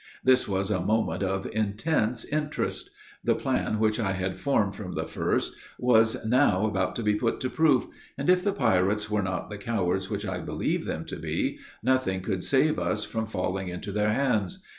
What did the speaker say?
This was a moment of intense interest. The plan which I had formed from the first, was now about to be put to proof; and, if the pirates were not the cowards which I believed them to be, nothing could save us from falling into their hands.